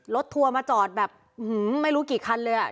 ทัวร์มาจอดแบบไม่รู้กี่คันเลยอ่ะ